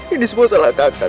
ini semua salah kakak